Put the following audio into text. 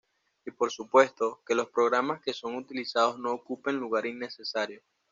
Y por supuesto, que los programas que son utilizados no ocupen lugar innecesario.